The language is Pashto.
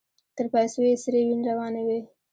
تر پايڅو يې سرې وينې روانې وې.